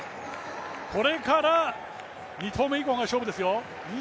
これから２投目以降が勝負ですよ。